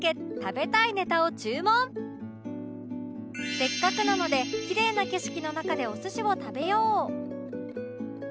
せっかくなのできれいな景色の中でお寿司を食べよう！